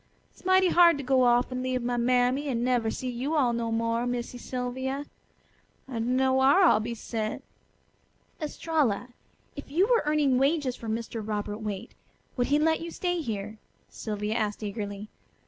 "It's mighty hard to go off and leave my mammy an' never see you all no more, Missy Sylvia. I dunno whar I'll be sent." "Estralla, if you were earning wages for Mr. Robert Waite would he let you stay here?" Sylvia asked eagerly.